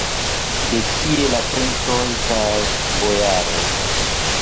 De kie la princoj kaj bojaroj?